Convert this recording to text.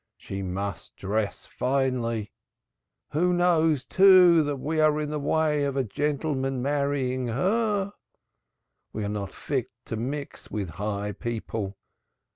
She must dress finely. Who knows, too, but that we are in the way of a gentleman marrying her? We are not fit to mix with high people.